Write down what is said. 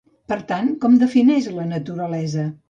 Per tant, com defineix la naturalesa?